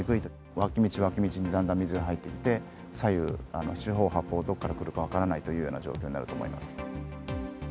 脇道、脇道にだんだん水が入ってきて、左右、四方八方、どこから来るか分からないというような状況になると思います。